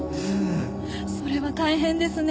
それは大変ですね。